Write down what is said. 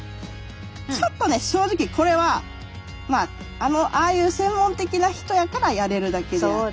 ちょっとね正直これはまあああいう専門的な人やからやれるだけであって。